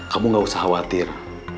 kamu gak usah khawatir